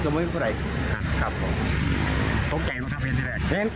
ต้มไก่ลายไปเป็นอย่างไร